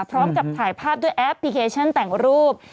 พร้อมกับถ่ายภาพด้วยแอปพลิเคชันแต่งรูป